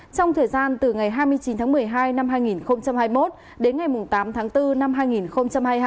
trong thời gian từ ngày hai mươi chín tháng một mươi hai năm hai nghìn hai mươi một đến ngày tám tháng bốn năm hai nghìn hai mươi hai